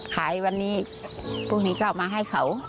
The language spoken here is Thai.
ขายวันนี้พรุ่งนี้ก็เอามาให้เขา